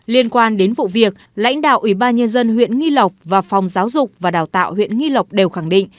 liên quan đến vụ việc lãnh đạo ủy ban nhân dân huyện nghi lộc và phòng giáo dục và đào tạo huyện nghi lộc đều khẳng định